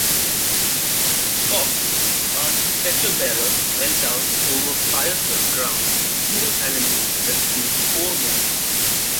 Cox, a stretcher-bearer, went out over fire-swept ground and single-handedly rescued four men.